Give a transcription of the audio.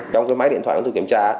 trong cái máy điện thoại của thủ kiểm tra